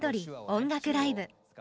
音楽ライブ」。